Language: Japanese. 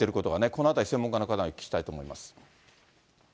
このあたり、専門家の方にお聞きしたいと思います。